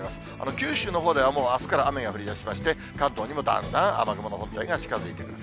九州のほうではもうあすから雨が降りだしまして、関東にもだんだん雨雲の本体が近づいてくる。